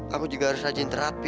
aku juga harus rajin terapi